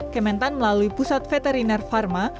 kementan melalui pusat veteriner pharma